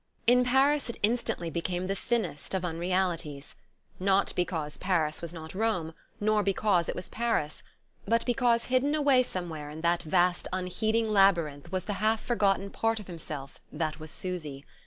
In Paris, it instantly became the thinnest of unrealities. Not because Paris was not Rome, nor because it was Paris; but because hidden away somewhere in that vast unheeding labyrinth was the half forgotten part of himself that was Susy....